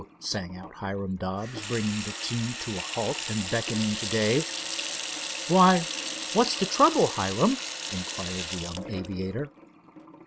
sang out Hiram Dobbs, bringing the team to a halt and beckoning to Dave. "Why, what's the trouble, Hiram?" inquired the young aviator.